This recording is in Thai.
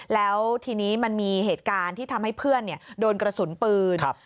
แล้วทีนี้มันมีเหตุการณ์ที่ทำให้เพื่อนโดนกระสุนปืน